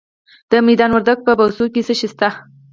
د میدان وردګو په بهسودو کې څه شی شته؟